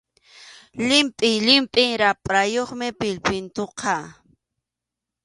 Llimpʼi llimpʼi raprayuqmi pillpintuqa.